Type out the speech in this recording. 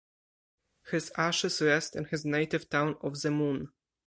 His ashes rest in his native town of Zemun.